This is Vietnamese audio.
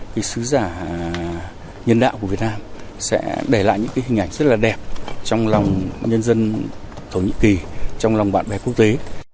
cái sứ giả nhân đạo của việt nam sẽ để lại những cái hình ảnh rất là đẹp trong lòng nhân dân thổ nhĩ kỳ trong lòng bạn bè quốc tế